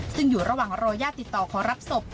ซึ่งอยู่ระหว่างรอญาติติดต่อขอรับศพ